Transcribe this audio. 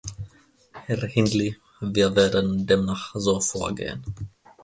Herr Hindley, wir werden demnach so vorgehen.